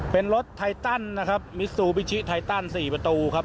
เป็นรถไทตันนะครับมิซูบิชิไทตัน๔ประตูครับ